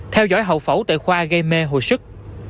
theo dõi hậu phẫu tự khoa gây mê hồi sức